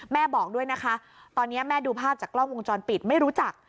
บอกด้วยนะคะตอนนี้แม่ดูภาพจากกล้องวงจรปิดไม่รู้จัก